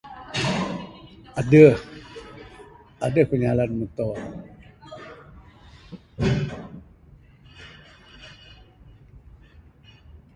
Adeh, adeh ku nyalan muto.